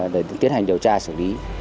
để tiến hành điều tra xử lý